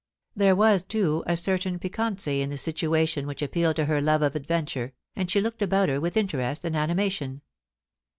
There was, too, a certain piquancy in the situation which appealed to her love IN PERIL, 349 of adventure, and she looked about her with interest and animation.